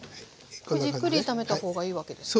じっくり炒めた方がいいわけですか？